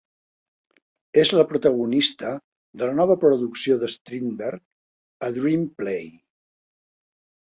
És la protagonista de la nova producció d'Strindberg "A Dream Play".